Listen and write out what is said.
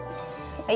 はい。